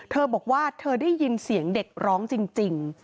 เธอบอกว่าเธอได้ยินเสียงเด็กร้องจริง